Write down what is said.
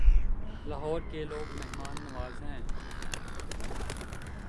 لاہور کے لوگ مہمان نواز ہیں